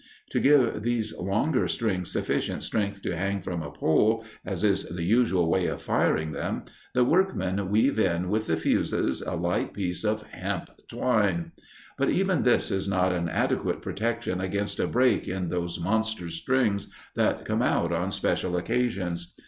To give these longer strings sufficient strength to hang from a pole, as is the usual way of firing them, the workmen weave in with the fuses a light piece of hemp twine. But even this is not an adequate protection against a break in those monster strings that come out on special occasions.